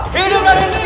hidup dari diri